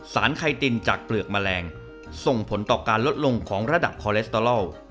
ไคตินจากเปลือกแมลงส่งผลต่อการลดลงของระดับคอเลสเตอรอล